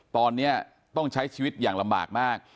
ตอนนี้ต้องใช้ชีวิตอย่างลำบากมาก